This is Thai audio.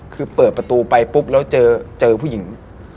คือเปิดประตูไปปุ๊บแล้วเจอผู้หญิง